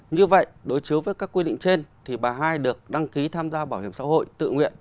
như vậy đối chiếu với các quy định trên thì bà hai được đăng ký tham gia bảo hiểm xã hội tự nguyện